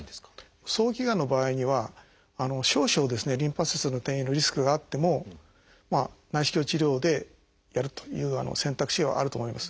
早期がんの場合には少々リンパ節への転移のリスクがあっても内視鏡治療でやるという選択肢はあると思います。